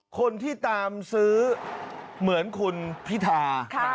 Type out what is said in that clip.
คนที่ตามซื้อเหมือนคุณพิธา